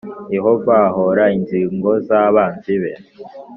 Yehova ahora inzigo zabanzi be